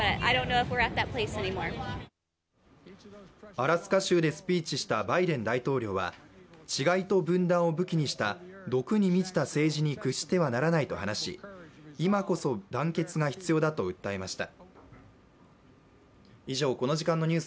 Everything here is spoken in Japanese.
アラスカ州でスピーチしたバイデン大統領は違いと分断を武器にした毒に満ちた政治に屈してはならないと話し今こそ団結が必要だと訴えました。